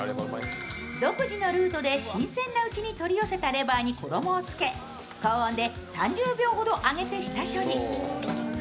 独自のルートで新鮮なうちに取り寄せたレバーに衣をつけ、高温で３０秒ほど揚げて下処理。